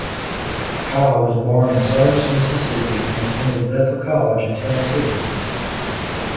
Kyle was born in Sardis, Mississippi and attended Bethel College in Tennessee.